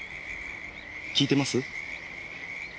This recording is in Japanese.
聞いてます？